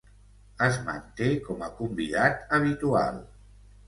Es manté com a convidat habitual.